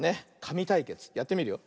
かみたいけつやってみるよ。